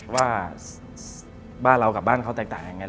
ว่าบ้านเรากับบ้านเขาแตกต่างยังไง